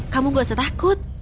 kamu gak usah takut